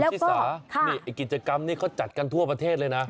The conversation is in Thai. คุณศิษย์สากิจกรรมนี้เขาจัดกันทั่วประเทศเลยนะ